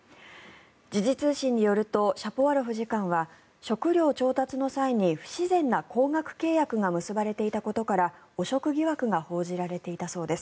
時事通信によるとシャポワロフ次官は食料調達の際に不自然な高額契約が結ばれていたことから汚職疑惑が報じられていたそうです。